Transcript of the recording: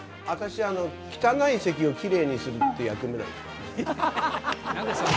私、汚い席をきれいにするって役目だから。